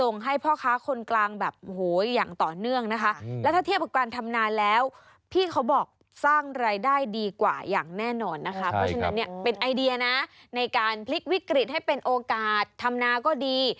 ในการพลิกวิกฤตให้เป็นโอกาสธำนาก็ดี